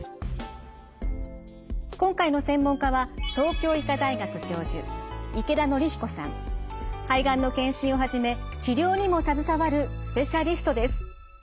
今回の専門家は東京医科大学教授肺がんの検診をはじめ治療にも携わるスペシャリストです。